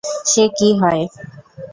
সে কি হয়।